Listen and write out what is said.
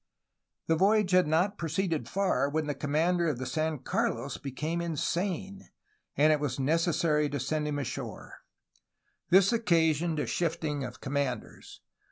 The voyage had not proceeded far when the commander of the San Carlos became insane, and it was necessary to send him ashore. This occasioned a shifting of commanders.